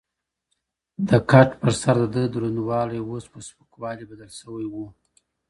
د کټ پر سر د ده دروندوالی اوس په سپکوالي بدل شوی و.